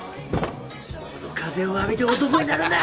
この風を浴びて男になるんだ！